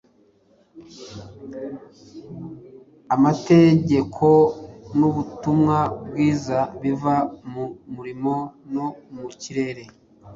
Amategeko n'ubutumwa bwiza biva mu muriro no mu kirere,